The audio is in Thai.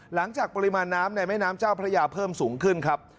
หลังจากปริมาณน้ำในแม่น้ำเจ้าพระยาเพิ่มสูงขึ้นครับ